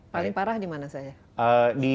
paling parah di mana saya